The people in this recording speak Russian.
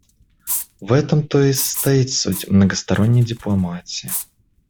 В этом-то и состоит суть многосторонней дипломатии.